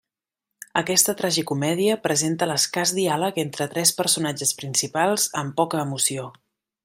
Aquesta tragicomèdia presenta l'escàs diàleg entre tres personatges principals amb poca emoció.